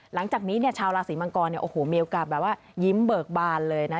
หลังจากนี้เนี่ยชาวราศีมังกรเนี่ยโอ้โหมีโอกาสแบบว่ายิ้มเบิกบานเลยนะ